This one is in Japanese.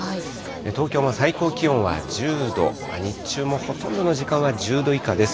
東京も最高気温は１０度、日中もほとんどの時間は１０度以下です。